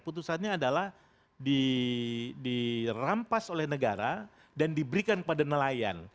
putusannya adalah dirampas oleh negara dan diberikan kepada nelayan